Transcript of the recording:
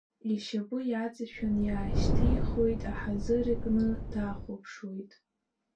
Ишьапы иаҵашәан иаашьҭихуеит аҳазыр, икны дахәаԥшуеит.